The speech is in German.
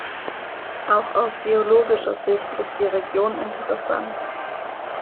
Auch aus geologischer Sicht ist die Region interessant.